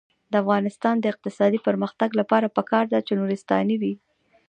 د افغانستان د اقتصادي پرمختګ لپاره پکار ده چې نورستاني وي.